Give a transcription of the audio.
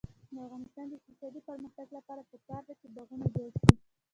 د افغانستان د اقتصادي پرمختګ لپاره پکار ده چې باغونه جوړ شي.